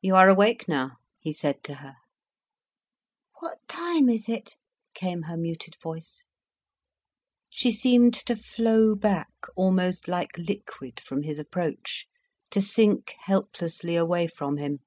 "You are awake now," he said to her. "What time is it?" came her muted voice. She seemed to flow back, almost like liquid, from his approach, to sink helplessly away from him.